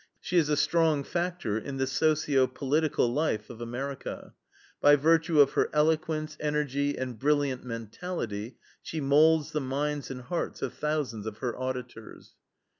She is a strong factor in the socio political life of America. By virtue of her eloquence, energy, and brilliant mentality, she moulds the minds and hearts of thousands of her auditors.